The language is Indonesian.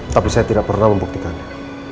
tapi saya tidak pernah membuktikannya